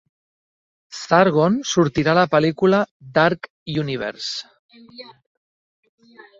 Sargon sortirà a la pel·lícula "Dark Univers".